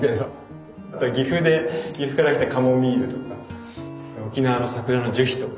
あと岐阜から来たカモミールとか沖縄の桜の樹皮とか。